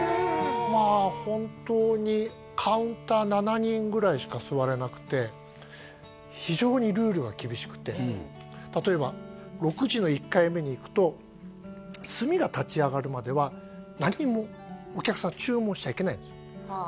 まあ本当にカウンター７人ぐらいしか座れなくて非常に例えば６時の１回目に行くと炭が立ち上がるまでは何もお客さん注文しちゃいけないんですはあ